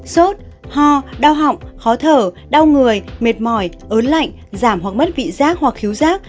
sốt ho đau họng khó thở đau người mệt mỏi ớn lạnh giảm hoặc mất vị giác hoặc thiếu rác